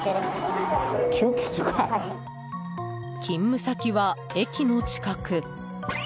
勤務先は駅の近く。